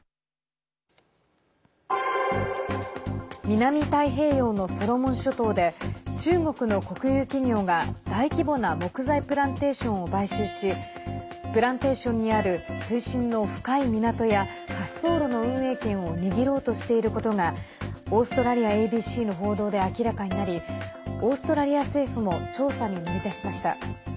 南太平洋のソロモン諸島で中国の国有企業が大規模な木材プランテーションを買収しプランテーションにある水深の深い港や滑走路の運営権を握ろうとしていることがオーストラリアＡＢＣの報道で明らかになりオーストラリア政府も調査に乗り出しました。